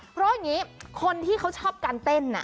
เพราะอย่างนี้คนที่เขาชอบการเต้น